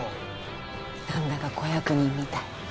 なんだか小役人みたい。